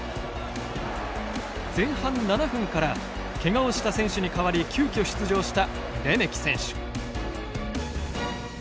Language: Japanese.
前半７分からけがをした選手に代わり急きょ出場したレメキ選手。